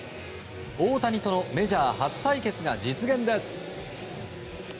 大谷とのメジャー初対決が実現です。